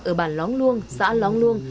ở bàn lóng luông xã lóng luông